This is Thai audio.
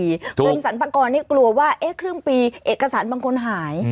กรมสรรพากรนี่กลัวว่าครึ่งปีเอกสารบางคนหาย